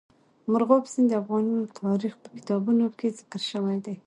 مورغاب سیند د افغان تاریخ په کتابونو کې ذکر شوی دی.